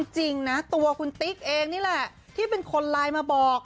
จริงนะตัวคุณติ๊กเองนี่แหละที่เป็นคนไลน์มาบอก